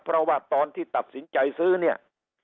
เพราะว่าตอนที่ตัดสินใจซื้อเนี่ย